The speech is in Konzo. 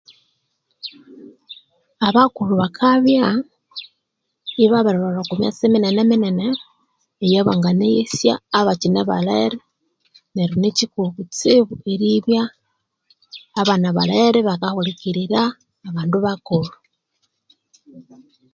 Abakulhu bakabya ibabiri lholha okwe myatsi minene minene eya bangana ghesya abakyine balere neryo ni kyikulhu kutsibu eribya abana balere ibakahulikirira abandu bakulhu